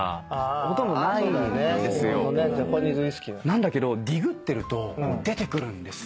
なんだけどディグってると出てくるんですよ。